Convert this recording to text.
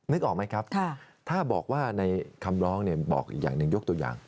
นึกออกไหมครับถ้าบอกว่าในคำร้องบอกอีกอย่างหนึ่งยกตัวอย่าง